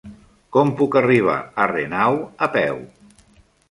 Com puc arribar a Renau a peu?